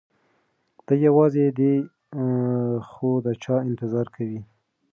دی یوازې دی خو د چا انتظار کوي.